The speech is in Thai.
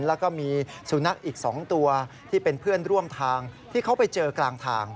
แล้วก็มีสุนัขอีก๒ตัวที่เป็นเพื่อนร่วมทางที่เขาไปเจอกลางทาง